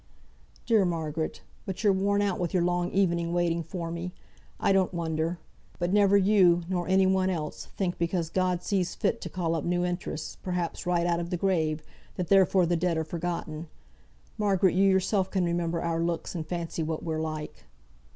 "Dear Margaret! But you're worn out with your long evening waiting for me. I don't wonder. But never you, nor any one else, think because God sees fit to call up new interests, perhaps right out of the grave, that therefore the dead are forgotten. Margaret, you yourself can remember our looks, and fancy what we're like."